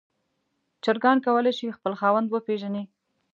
چرګان کولی شي خپل خاوند وپیژني.